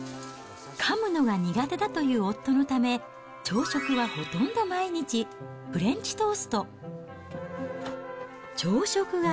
かむのが苦手だという夫のため、朝食はほとんど毎日、フレンチトースト。